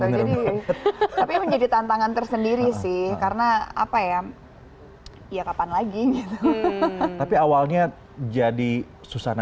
jadi tapi menjadi tantangan tersendiri sih karena apa ya iya kapan lagi tapi awalnya jadi susana